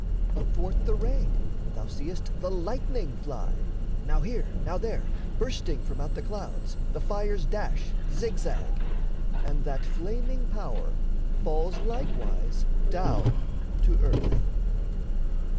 Athwart the rain thou seest the lightning fly; Now here, now there, bursting from out the clouds, The fires dash zig zag and that flaming power Falls likewise down to earth.